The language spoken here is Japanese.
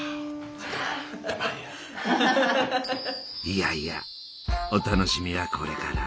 いやいやお楽しみはこれから。